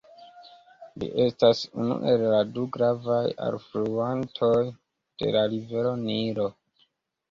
Ĝi estas unu el la du gravaj alfluantoj de la Rivero Nilo.